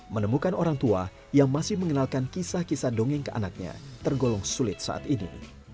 menemukan orang tua yang masih mengenalkan kisah kisah dongeng ke anaknya tergolong sulit saat ini